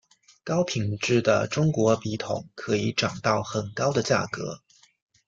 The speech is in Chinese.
高品质的中国笔筒可以涨到很高的价格。